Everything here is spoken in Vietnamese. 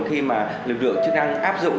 khi mà lực lượng chức năng áp dụng